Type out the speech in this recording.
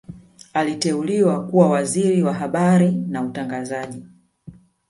aliteuliwa kuwa Waziri wa habari na utangazaji